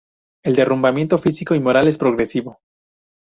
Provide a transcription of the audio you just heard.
El derrumbamiento físico y moral es progresivo.